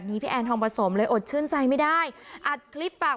ไม่เป็นไรท่านที่ได้ก็ได้